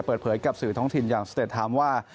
เปิดเผยกับสื่อท้องถิ่นอย่างสเตจฮามว่า